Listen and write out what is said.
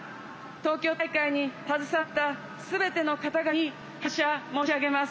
東京大会に携わった全ての方々に感謝申し上げます。